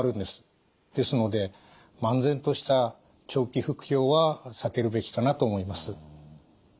ですので漫然とした長期服用は避けるべきかなと思います。